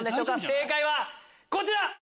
正解はこちら！